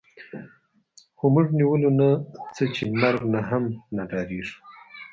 خو موږ نیولو نه څه چې مرګ نه هم نه ډارېږو